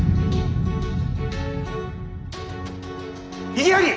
異議あり！